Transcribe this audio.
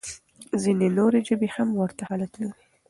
ځينې نورې ژبې هم ورته حالت لري.